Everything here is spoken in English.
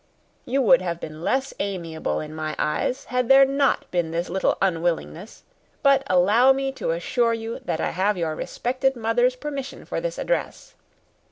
You would have been less amiable in my eyes had there not been this little unwillingness; but allow me to assure you that I have your respected mother's permission for this address.